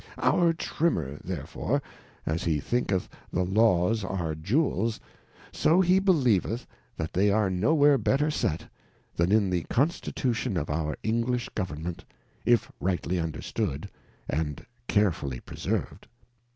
Our Trimmer therefore, as he thinketh the Laws ^re_Jewels, so he believeth they are nowhere better set, than in the constitution of our English Government, if rightly understood, and carefully preserved.